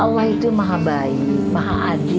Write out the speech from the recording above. allah itu maha baik maha adi